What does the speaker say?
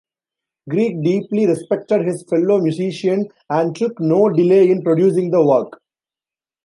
Grieg deeply respected his fellow musician and took no delay in producing the work.